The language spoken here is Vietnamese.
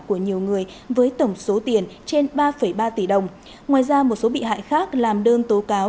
của nhiều người với tổng số tiền trên ba ba tỷ đồng ngoài ra một số bị hại khác làm đơn tố cáo